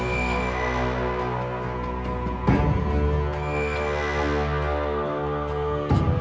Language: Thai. อุ่นนี้ยังมีแต่หนูเลย